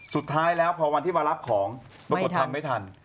สุดท้ายแล้วพอวันที่มารับของปรากฏทำไม่ทัน